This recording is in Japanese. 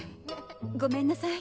ごめんなさい。